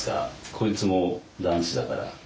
こいつも男子だから。